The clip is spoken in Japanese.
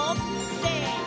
せの！